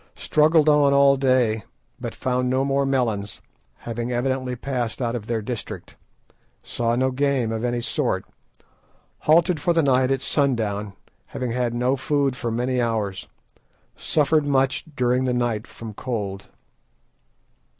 Struggled on all day, but found no more melons, having evidently passed out of their district. Saw no game of any sort. Halted for the night at sundown, having had no food for many hours. Suffered much during the night from cold.